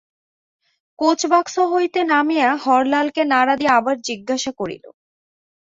Coach box হইতে নামিয়া হরলালকে নাড়া দিয়া আবার জিজ্ঞাসা করিল ।